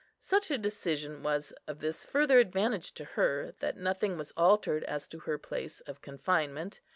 Such a decision was of this further advantage to her, that nothing was altered as to her place of confinement.